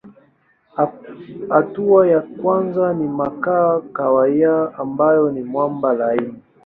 Hatua ya kwanza ni makaa kahawia ambayo ni mwamba laini.